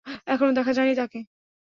এখনও দেখা যায়নি তাকে।